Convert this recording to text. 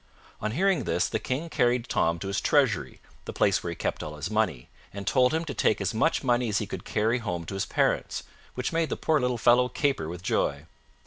On hearing this, the King carried Tom to his treasury, the place where he kept all his money, and told him to take as much money as he could carry home to his parents, which made the poor little fellow caper with joy.